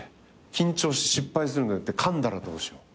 緊張失敗するのだってかんだらどうしよう。